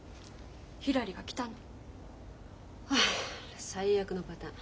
ひらりが来たの。は最悪のパターン。